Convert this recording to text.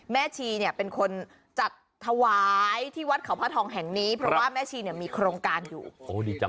แม่ชีเป็นคนจัดถวายที่วัดเขาพระทองแห่งนี้เพราะว่าแม่ชีมีโครงการอยู่